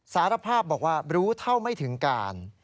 สารภาพบอกว่ารู้เท่าไม่ถึงการ